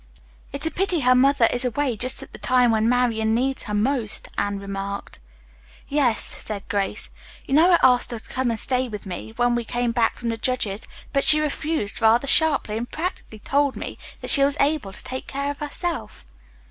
"It's a pity her mother is away just at the time when Marian needs her most," Anne remarked. "Yes," said Grace. "You know I asked her to come and stay with me, when we came back from the judge's, but she refused rather sharply, and practically told me that she was able to take care of herself."